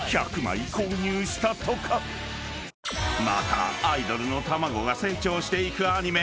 ［またアイドルの卵が成長していくアニメ